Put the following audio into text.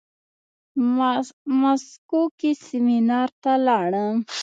مسکو کې سيمينار ته لاړم.